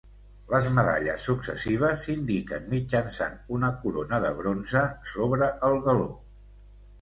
Les medalles successives s'indiquen mitjançant una corona de bronze sobre el galó.